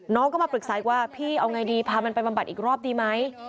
น้องก็มาปรึกษาอีกว่าพี่เอาไงดีพามันไปบำบัดอีกรอบดีไหม